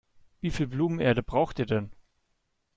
Wie viel Blumenerde braucht ihr denn?